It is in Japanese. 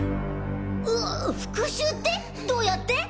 ふ復讐ってどうやって？